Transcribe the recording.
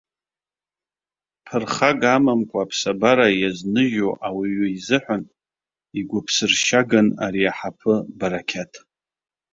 Ԥырхага амамкәа аԥсабара иазныжьу ауаҩы изыҳәан, игәыԥсыршьаган ари аҳаԥы барақьаҭ.